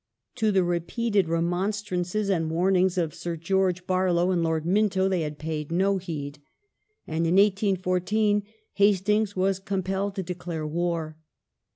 To the repeated remonstrances and warn ings of Sir George Barlow and Lord Minto they had paid no heed, and in 1814 Hastings was compelled to declare war.